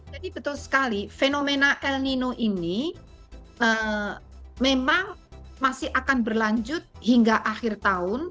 jadi betul sekali fenomena el nino ini memang masih akan berlanjut hingga akhir tahun